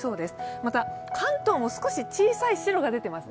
また関東も少し小さい白が出ています。